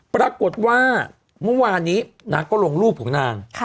ปรากฏว่าเมื่อวานนี้นางก็ลงรูปของนาง